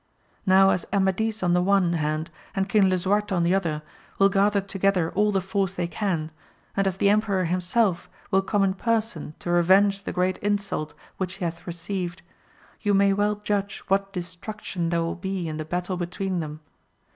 Now as Amadis on the one hand and King Lisuarte on the other, will gather together all the force they can, and as the emperor himself will come in person to revenge the great insult which he hath received, you may well judge what destruction there will be in the battle between them.